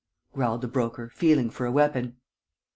growled the Broker, feeling for a weapon.